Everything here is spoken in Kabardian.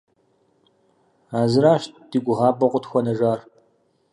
А зыращ дэ гугъапӀэу къытхуэнэжар.